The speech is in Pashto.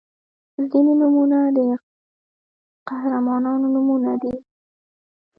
• ځینې نومونه د قهرمانانو نومونه دي.